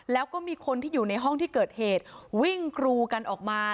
แล้วก็มีคนที่อยู่ในห้องที่เกิดเหตุวิ่งกรูกันออกมา